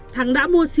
thắng đã mua sim